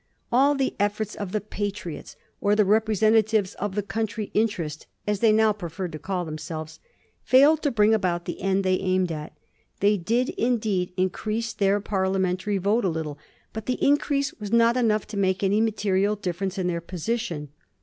All the efforts of the Patriots, or the representatives of the country interest, as they now preferred to call themselves, failed to bring about the end they aimed at. They did, indeed, increase their parliamentary vote a little, but the increase was not enough to make any material difference in their position.